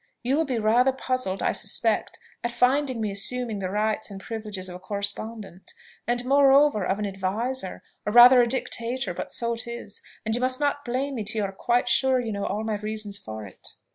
You will be rather puzzled, I suspect, at finding me assuming the rights and privileges of a correspondent, and moreover of an adviser, or rather a dictator: but so it is and you must not blame me till you are quite sure you know all my reasons for it.